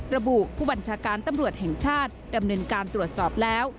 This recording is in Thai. ระบุผู้บัญชาการตำรวจแห่งชาติดำเนินการตรวจสอบแล้ว